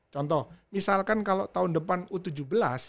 contoh misalkan kalau tahun depan u tujuh belas